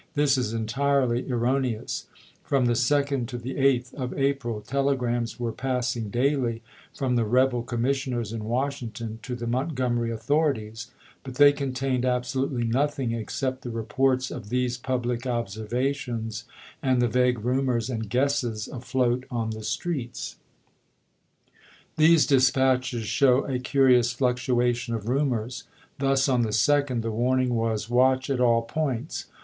This is entirely erroneous. From the 2d to the 8th of 1861. April telegrams were passing daily from the rebel commissioners in Washington to the Montgomery authorities, but they contained absolutely nothing except the reports of these public observations, and the vague rumors and guesses afloat on the The.Com strCCtS. toToombs, These dispatches show a curious fluctuation of MS. ■ rumors. Thus on the 2d the warning was, " Watch Ibid., at all points."